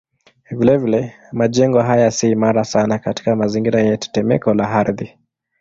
Vilevile majengo haya si imara sana katika mazingira yenye tetemeko la ardhi.